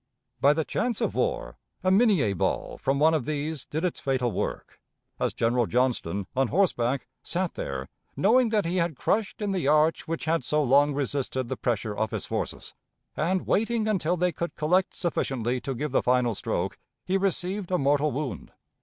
By the chance of war a Minie ball from one of these did its fatal work As General Johnston, on horseback, sat there, knowing that he had crushed in the arch which had so long resisted the pressure of his forces, and waiting until they could collect sufficiently to give the final stroke, he received a mortal wound.